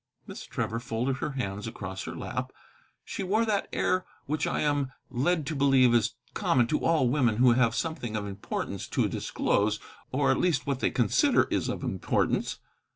Miss Trevor folded her hands across her lap. She wore that air which I am led to believe is common to all women who have something of importance to disclose; or at least what they consider is of importance.